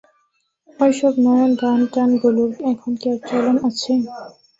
ঐ-সব নয়ন-বাণ-টানগুলোর এখন কি আর চলন আছে?